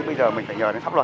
chứ chị không để làm gì cả